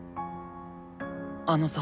あのさ。